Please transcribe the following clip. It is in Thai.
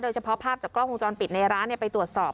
เฉพาะภาพจากกล้องวงจรปิดในร้านไปตรวจสอบ